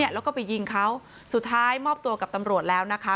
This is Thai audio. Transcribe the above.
แล้วก็ไปยิงเขาสุดท้ายมอบตัวกับตำรวจแล้วนะคะ